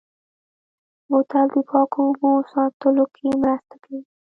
بوتل د پاکو اوبو ساتلو کې مرسته کوي.